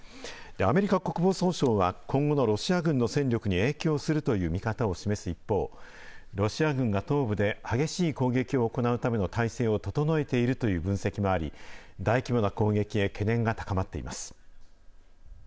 アメリカ国防総省は今後のロシア軍の戦力に影響するという見方を示す一方、ロシア軍が東部で激しい攻撃を行うための態勢を整えているという分析もあり、大規模な攻撃へ懸念が高まっています。